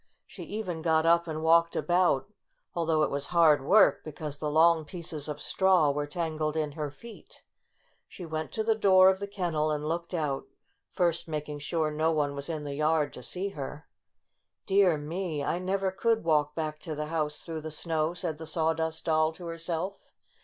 She even got up and walked about, though it was hard work because the long pieces of straw were tangled in her feet. She went to the door IN THE DOG HOUSE 67 of the kennel and looked out, first making sure no one was in the yard to see her. , "Dear me! I never could walk back to the house through the snow," said the Sawdust Doll to herself.